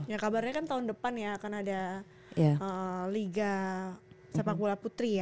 ya kabarnya kan tahun depan ya akan ada liga sepak bola putri ya